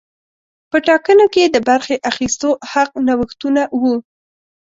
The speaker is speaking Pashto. په ټاکنو کې د برخې اخیستو حق نوښتونه وو.